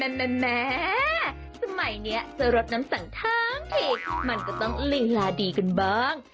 แม่สมัยนี้จะรดน้ำสังทั้งทีมันก็ต้องลีลาดีกันบ้าง